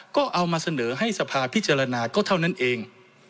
ก็เอามาเสนอให้สภาพิจารณาก็เท่านั้นเอง